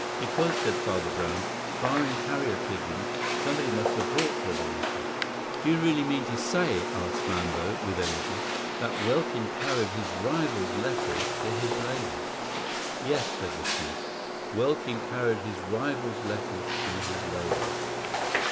"Because," said Father Brown, "barring carrier pigeons, somebody must have brought her the letter." "Do you really mean to say," asked Flambeau, with energy, "that Welkin carried his rival's letters to his lady?" "Yes," said the priest. "Welkin carried his rival's letters to his lady.